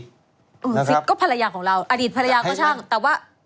สิทธิ์ก็ภรรยาของเราอดีตภรรยาก็ช่างแต่ว่า